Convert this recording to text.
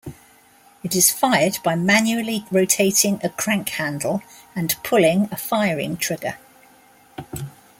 It is fired by manually rotating a crank handle and pulling a firing trigger.